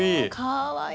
かわいい。